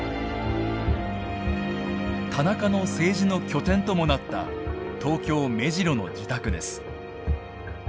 田中の政治の拠点ともなった東京・目白の自宅です。